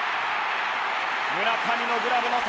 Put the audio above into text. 村上のグラブの先。